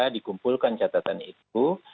dikumpulkan catatan itu